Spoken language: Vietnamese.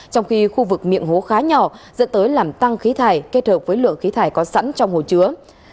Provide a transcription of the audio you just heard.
trong khi khu vực miệng hố khá nhỏ dẫn tới làm tăng khí thải kết hợp với lượng khí thải có sẵn trong hồ chứa